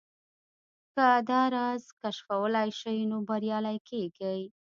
که دا راز کشفولای شئ نو بريالي کېږئ.